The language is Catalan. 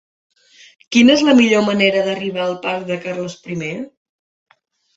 Quina és la millor manera d'arribar al parc de Carles I?